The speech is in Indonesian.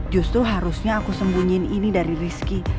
justru harusnya aku sembunyiin ini dari rizki